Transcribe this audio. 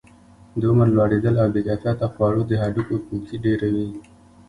د عمر لوړېدل او بې کیفیته خواړه د هډوکو پوکي ډیروي.